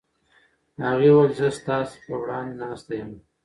هغې وویل چې زه ستا په وړاندې ناسته یم.